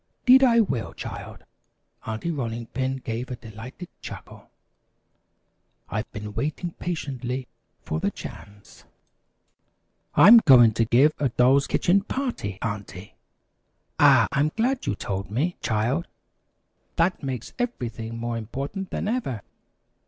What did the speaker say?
"'Deed I will, child." Aunty Rolling Pin gave a delighted chuckle. "I've been waiting patiently for the chance." [Illustration: "'Deed I will, child."] "I'm going to give a Dolls' Kitchen Party, Aunty." "Ah, I'm glad you told me, child; that makes everything more important than ever.